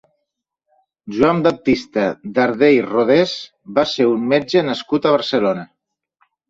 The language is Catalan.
Joan Baptista Darder i Rodés va ser un metge nascut a Barcelona.